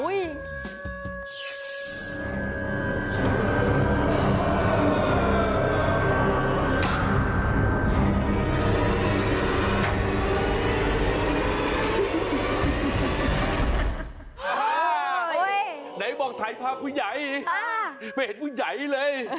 ไหนบอกถ่ายภาพผู้ใหญ่ไม่เห็นผู้ใหญ่เลย